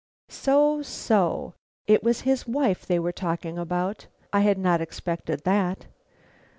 So, so, it was his wife they were talking about. I had not expected that.